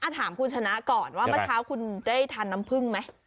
ถามคุณชนะก่อนว่าเมื่อเช้าคุณได้ทานน้ำผึ้งไหม